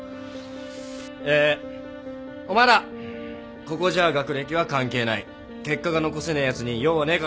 えお前らここじゃあ学歴は関係ない結果が残せねえやつに用はねえからな